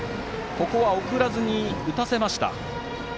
ここは送らずに打たせました。